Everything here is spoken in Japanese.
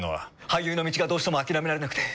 俳優の道がどうしても諦められなくて。